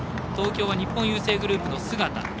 東京は日本郵政グループの菅田。